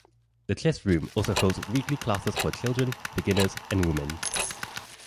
The Chess Room also holds weekly classes for children, beginners, and women.